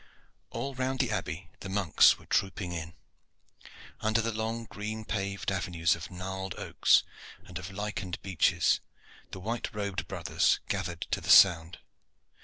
All round the Abbey the monks were trooping in. Under the long green paved avenues of gnarled oaks and of lichened beeches the white robed brothers gathered to the sound.